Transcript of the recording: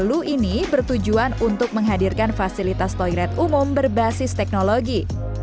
low ini bertujuan untuk menghadirkan fasilitas toilet umum berbasis teknologi